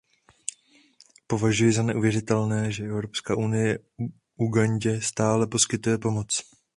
Považuji za neuvěřitelné, že Evropská unie Ugandě stále poskytuje pomoc.